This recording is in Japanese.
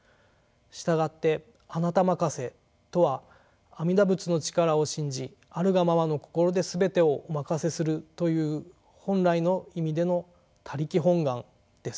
したがって「あなた任せ」とは阿弥陀仏の力を信じあるがままの心で全てをお任せするという本来の意味での「他力本願」です。